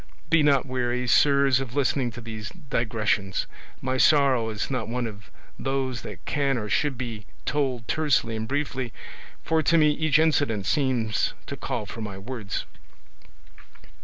Be not weary, sirs, of listening to these digressions; my sorrow is not one of those that can or should be told tersely and briefly, for to me each incident seems to call for many words."